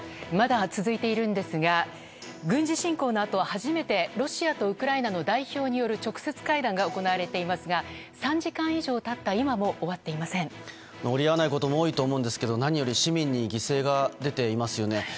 まだ続いているんですが軍事侵攻のあと初めてロシアとウクライナの代表による直接会談が行われていますが３時間以上経った今も折り合わないことも多いと思うんですけど何より市民に犠牲が出ていますよね。